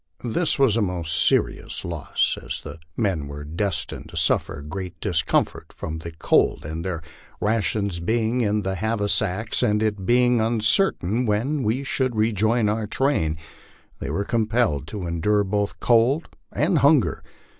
This was a most serious loss, as the men were destined to suffer great discomfort from the cold; and their rations being in the haversacks, and it being uncertain when we should rejoin our train, they were compelled to endure both cold and hunger.